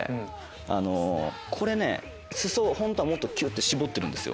あのこれね裾ホントはもっとキュって絞ってるんですよ。